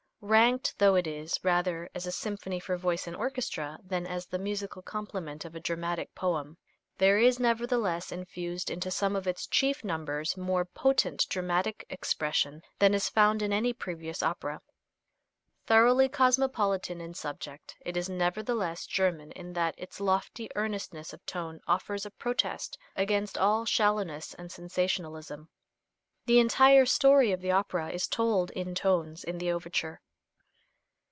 Ranked, though it is, rather as a symphony for voice and orchestra than as the musical complement of a dramatic poem, there is nevertheless infused into some of its chief numbers more potent dramatic expression than is found in any previous opera. Thoroughly cosmopolitan in subject, it is nevertheless German in that its lofty earnestness of tone offers a protest against all shallowness and sensationalism. The entire story of the opera is told in tones in the overture.